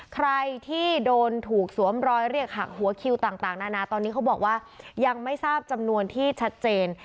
ใครที่โดนถูกสวมรอยเรียกหักหัวคิวต่างนานาตอนนี้เขาบอกว่ายังไม่ทราบจำนวนที่ชัดเจน